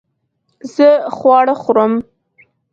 زه خواړه خورم